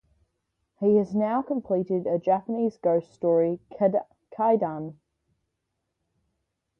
He has now completed a Japanese ghost story, "Kaidan".